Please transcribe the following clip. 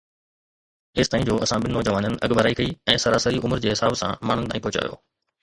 ايستائين جو اسان ٻن نوجوانن اڳڀرائي ڪئي ۽ سراسري عمر جي حساب سان ماڻهن تائين پهچايو